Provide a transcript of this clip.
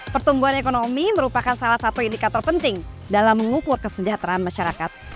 pertumbuhan ekonomi merupakan salah satu indikator penting dalam mengukur kesejahteraan masyarakat